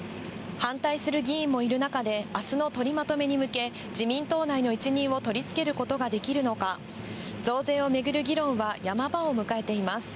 反対する議員もいる中で、あすの取りまとめに向け、自民党内の一任を取り付けることができるのか、増税を巡る議論はヤマ場を迎えています。